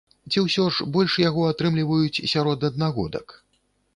Ці ўсё ж больш яго атрымліваюць сярод аднагодак?